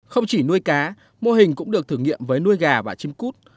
không chỉ nuôi cá mô hình cũng được thử nghiệm với nuôi gà và chim cút